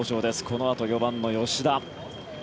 このあと４番の吉田。